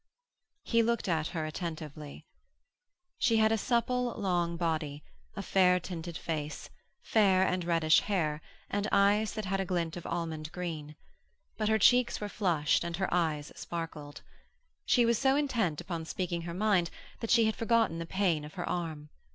He looked at her attentively. She had a supple, long body, a fair tinted face, fair and reddish hair, and eyes that had a glint of almond green but her cheeks were flushed and her eyes sparkled. She was so intent upon speaking her mind that she had forgotten the pain of her arm.